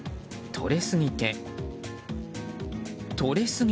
とれすぎて。